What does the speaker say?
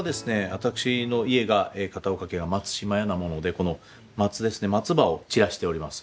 私の家が片岡家が「松嶋屋」なものでこの松ですね松葉を散らしております。